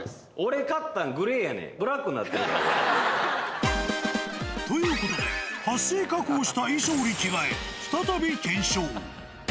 俺買ったん、グレーやねん。ということで、撥水加工した衣装に着替え、再び検証。